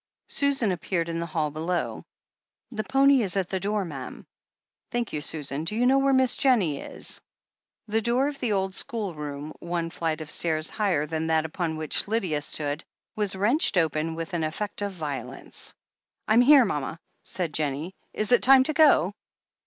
Susan appeared in the hall below. "The pony is at the door, ma'am." "Thank you, Susan. Do you know where Miss Jennie is ?" The door of the old school room, one flight of stairs higher than that upon which Lydia stood, was wrenched open with an effect of violence. "I'm here, mama," said Jennie. "Is it time to go?"